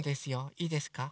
いいですか？